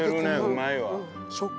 うまいわ。